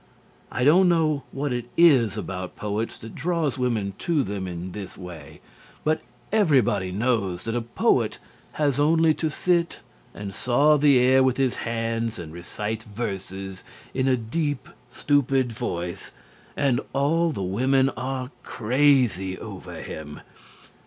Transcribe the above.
I don't know what it is about poets that draws women to them in this way. But everybody knows that a poet has only to sit and saw the air with his hands and recite verses in a deep stupid voice, and all the women are crazy over him.